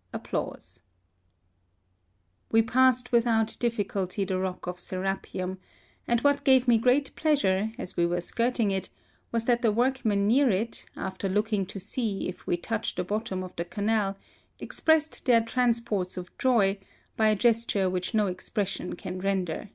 We passed without diflficulty the rock of Serapium ; and what gave me great pleasure as we were skirting it, was that the work men near it, after looking to see if we touched the bottom of the Canal, expressed their transports of joy by a gesture which no expression can render.